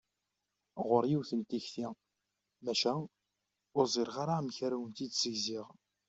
Ɣuṛ-i yiwet n tikti, maca ur ẓriɣ ara amek ara awen-tt-id-segziɣ!